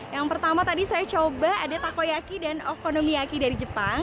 yang pertama tadi saya coba ada takoyaki dan okonomiyaki dari jepang